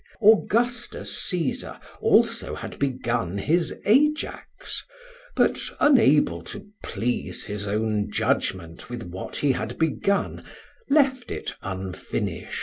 Augustus Caesar also had begun his Ajax, but unable to please his own judgment with what he had begun, left it unfinisht.